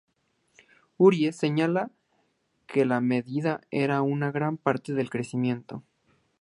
Urie señala que la medida era "una gran parte del crecimiento.